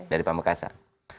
dari pak mekasan